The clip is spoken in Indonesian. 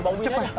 pak ulinya ya